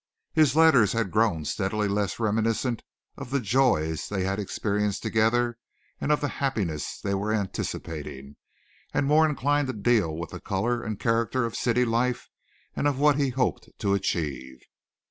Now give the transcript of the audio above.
His letters had grown steadily less reminiscent of the joys they had experienced together and of the happiness they were anticipating, and more inclined to deal with the color and character of city life and of what he hoped to achieve.